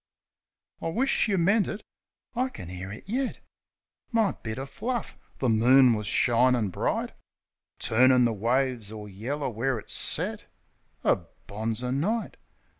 "I wish't yeh meant it," I can 'ear 'er yet, My bit o' fluff ! The moon was shinin' bright, Turnin' the waves all yeller where it set — A bonzer night!